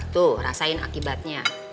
tuh rasain akibatnya